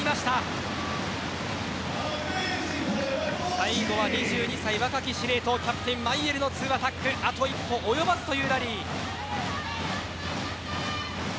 最後は２２歳、若き司令塔キャプテンマイエルのツーアタックであと一歩及ばずというラリー。